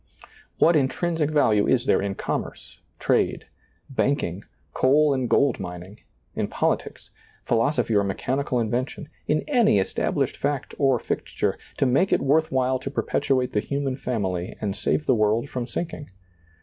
What intrinsic value is there in commerce, trade, banking, coal and gold mining, in politics, philoso phy or mechanical invention, in any established fact or fixture, to make it worth while to perpetuate the human family and save the world from sinking